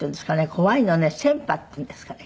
怖いのね穿破っていうんですかね？